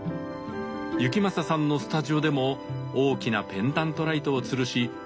行正さんのスタジオでも大きなペンダントライトをつるし